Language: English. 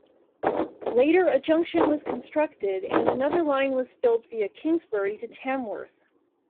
Later a junction was constructed and another line was built via Kingsbury to Tamworth.